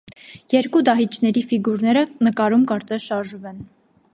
Երկու դահիճների ֆիգուրները նկարում կարծես շարժվեն։